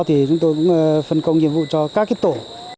thì chúng tôi cũng phân công nhiệm vụ cho các tổ